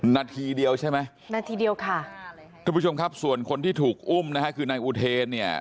นาทีเดียวใช่ไหมทุกผู้ชมครับส่วนคนที่ถูกอุ้มนะคะคือในอุเทศ